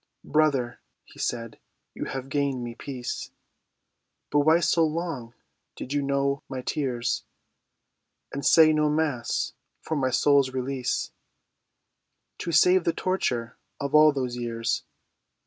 "Brother," he said, "you have gained me peace, But why so long did you know my tears, And say no Mass for my soul's release, To save the torture of all those years?"